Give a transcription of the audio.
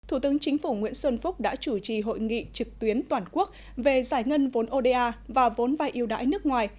thủ tướng chính phủ nguyễn xuân phúc đã chủ trì hội nghị trực tuyến toàn quốc về giải ngân vốn oda và vốn vai yêu đãi nước ngoài